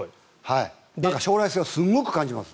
将来性をすごく感じます。